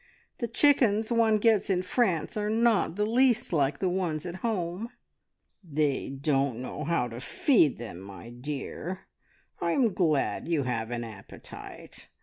The chickens one gets in France are not the least like the ones at home." "They don't know how to feed them, my dear. I am glad you have an appetite.